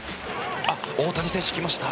大谷選手来ました。